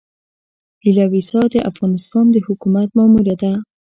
هيله ويسا د افغانستان د حکومت ماموره ده.